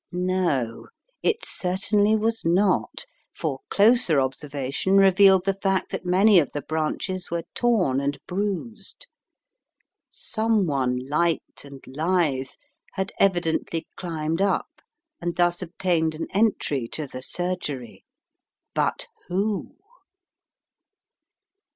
No, it certainly was not, for closer obser vation revealed the fact that many of the branches were torn and bruised. Someone light and lithe had evidently climbed up and thus obtained an entry to the surgery. But who